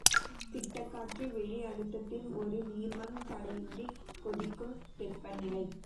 திட்டக் காற்று வெளி அழுத்தத்தில் ஒரு நீர்மம் தடையின்றிக் கொதிக்கும் வெப்பநிலை.